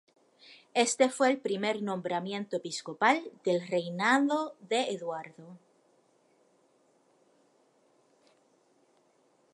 Éste fue el primer nombramiento episcopal del reinado de Eduardo.